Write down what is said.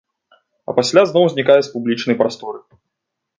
А пасля зноў знікае з публічнай прасторы.